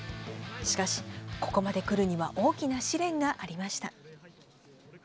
しかし、ここまで来るには大きな試練がありました。